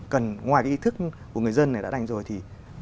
cần ngoài cái ý thức của người dân này đã đành rồi thì